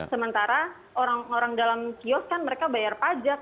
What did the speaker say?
sementara orang orang dalam kios kan mereka bayar pajak